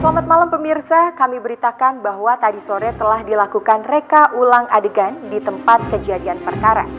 selamat malam pemirsa kami beritakan bahwa tadi sore telah dilakukan reka ulang adegan di tempat kejadian perkara